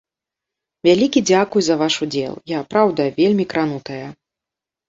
Вялікі дзякуй за ваш удзел, я праўда вельмі кранутая.